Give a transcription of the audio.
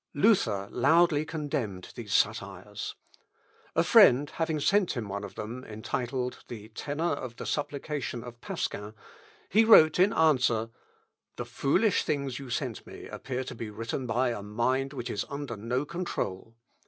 Luther loudly condemned these satires. A friend having sent him one of them, entitled, "The Tenor of the Supplication of Pasquin," he wrote in answer, "The foolish things you sent me appear to be written by a mind which is under no control.